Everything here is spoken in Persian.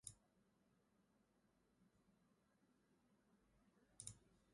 عملیات خارق القاعده